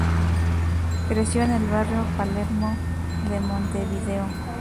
Creció en el barrio Palermo de Montevideo.